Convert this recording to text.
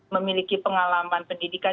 memiliki pengalaman pendidikan